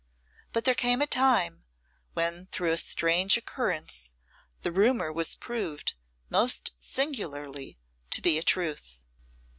But there came a time when through a strange occurrence the rumour was proved, most singularly, to be a truth.